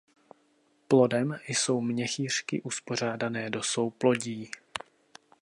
Plodem jsou měchýřky uspořádané do souplodí.